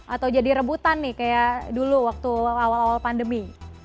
atau jadi rebutan nih kayak dulu waktu awal awal pandemi